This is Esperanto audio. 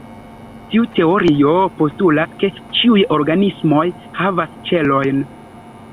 Tiu teorio postulas, ke ĉiuj organismoj havas ĉelojn.